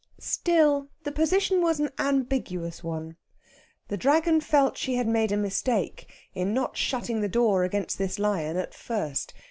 Still, the position was an ambiguous one. The Dragon felt she had made a mistake in not shutting the door against this lion at first.